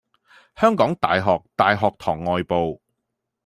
香港大學大學堂外部